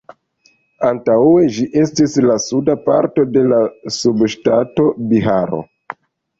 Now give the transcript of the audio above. Antaŭe, ĝi estis la suda parto de la subŝtato Biharo.